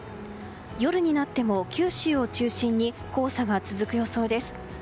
夜になっても九州を中心に黄砂が続く予想です。